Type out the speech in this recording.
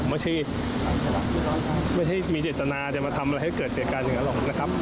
ไม่ใช่มีจิตตนาจะมาทำอะไรให้เกิดจีตตน้อยกันน่ะหรอกนะครับ